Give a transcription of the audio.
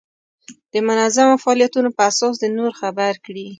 د منظمو فعالیتونو په اساس دې نور خبر کړي.